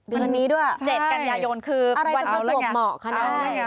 เดือนนี้ด้วยเด็ดกันยายนคือวันประจวบเหมาะขนาดนี้